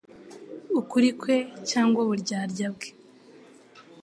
ukuri kwe cyangwa uburyarya bwe»